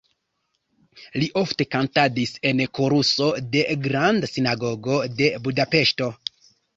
Li ofte kantadis en koruso de Granda Sinagogo de Budapeŝto.